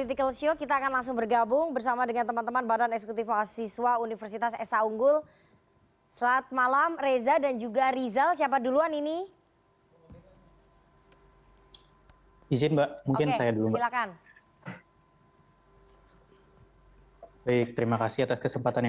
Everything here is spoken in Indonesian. terima kasih atas kesempatan